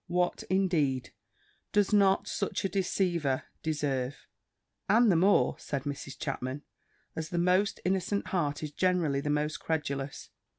What, indeed, does not such a deceiver deserve?" "And the more," said Mrs. Chapman, "as the most innocent heart is generally the most credulous."